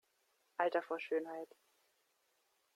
Alter vor Schönheit!